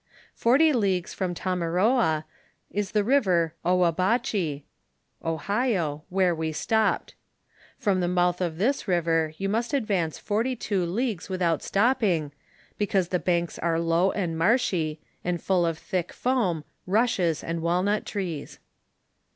Forty leagues from Tamaroa is the river Oiiabache (Ohio), where we stopped. From the mouth of this river you must advance forty two leagues without stopping, because the banks are low and marshy, and full of thick foam, rushes and walnut trees.